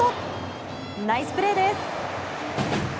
ナイスプレーです！